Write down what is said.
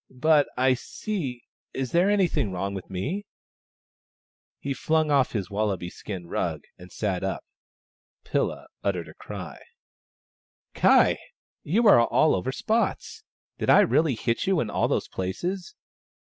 But I — see, is there anything wTong with me ?" He flung off his wallaby skin rug, and sat up. Pilla uttered a cry. 48 THE STONE AXE OF BURKAMUKK " Ky ! you are all over spots ! Did I really hit you in all those places